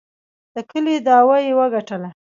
د کلي دعوه یې وګټله.